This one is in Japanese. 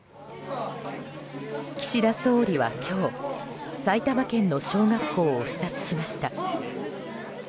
岸田総理は今日埼玉県の小学校を視察しました。